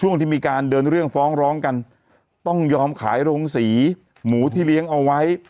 ที่มีการเดินเรื่องฟ้องร้องกันต้องยอมขายโรงสีหมูที่เลี้ยงเอาไว้